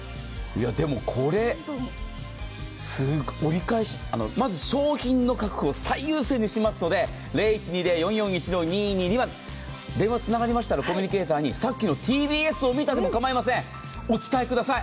でも、これすごいまず商品の確保を最優先しますので、電話つながりましたら、コミュニケーターに「さっきのＴＢＳを見た」でも構いません、お伝えください。